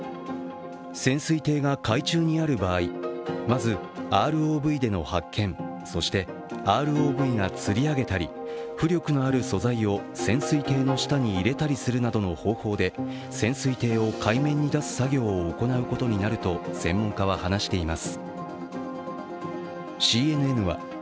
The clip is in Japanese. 潜水艇が海中にある場合まず、ＲＯＶでの発見そして、ＲＯＶがつり上げたり浮力のある素材を潜水艇の下に入れたりするなどの方法で潜水艇を海面に出す作業を行うことになると専門家は話しています。